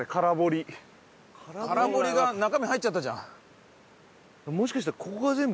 空堀が中身入っちゃったじゃん。